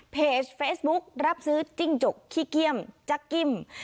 เพจเฟซบุ๊กรับซื้อจิ้งจกขี้เกี้ยมจักกิ้ม